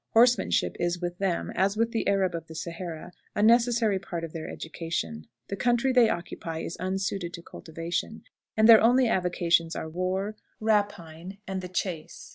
Horsemanship is with them, as with the Arab of the Sahara, a necessary part of their education. The country they occupy is unsuited to cultivation, and their only avocations are war, rapine, and the chase.